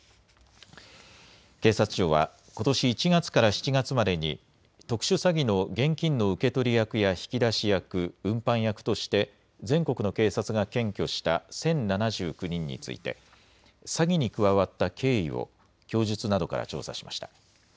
警察庁はことし１月から７月までに特殊詐欺の現金の受け取り役や引き出し役、運搬役として全国の警察が検挙した１０７９人について詐欺に加わった経緯を供述などから調査しました。